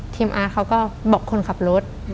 อาร์ตเขาก็บอกคนขับรถ